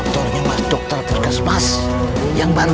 daripada aku yang salah